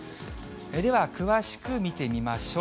では、詳しく見てみましょう。